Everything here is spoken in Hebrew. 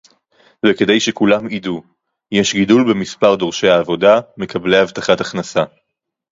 וכדאי שכולם ידעו: יש גידול במספר דורשי העבודה מקבלי הבטחת הכנסה